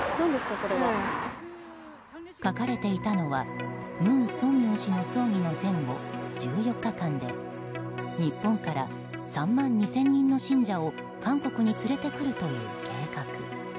書かれていたのは文鮮明氏の葬儀の前後１４日間で日本から３万２０００人の信者を韓国に連れてくるという計画。